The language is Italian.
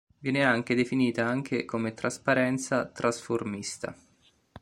Viene anche definita anche come trasparenza trasformista.